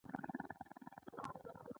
ویښتوب ښه دی.